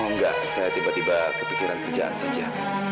oh enggak saya tiba tiba kepikiran kerjaan saja